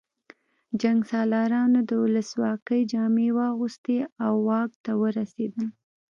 جنګسالارانو د ولسواکۍ جامې واغوستې او واک ته ورسېدل